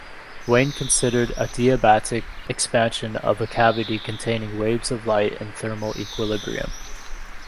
Wien considered adiabatic expansion of a cavity containing waves of light in thermal equilibrium.